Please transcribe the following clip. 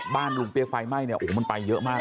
ลุงเปี๊ยกไฟไหม้เนี่ยโอ้โหมันไปเยอะมาก